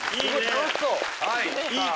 楽しそう！